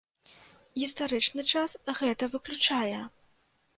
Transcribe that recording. Гістарычны час гэта выключае.